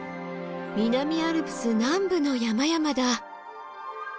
南アルプス南部の山々だ！